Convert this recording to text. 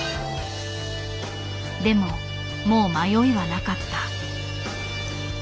でももう迷いはなかった。